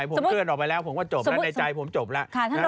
ผมเคลื่อนออกไปแล้วผมก็จบแล้วในใจผมจบแล้ว